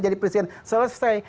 jadi presiden selesai